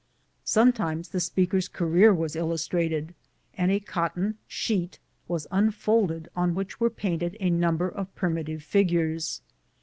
Sometimes the speaker's career was illus trated, and a cotton sheet was unfolded on which were painted a number of primitive figures.